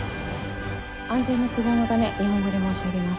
安全の都合のため日本語で申し上げます。